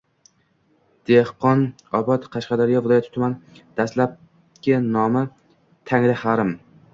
Dehqonobod – Qashqadaryo viloyati tuman. Dastlabki nomi Tangiharam.